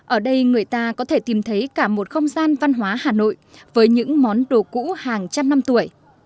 ở đây người ta có thể tìm thấy cả một không gian văn hóa hà nội với những món đồ cũ hàng trăm năm tuổi